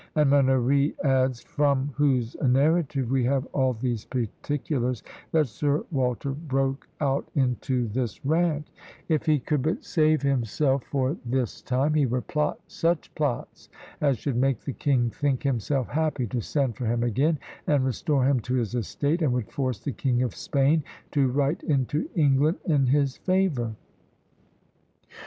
And Manoury adds, from whose narrative we have all these particulars, that Sir Walter broke out into this rant: "If he could but save himself for this time, he would plot such plots as should make the king think himself happy to send for him again, and restore him to his estate, and would force the King of Spain to write into England in his favour."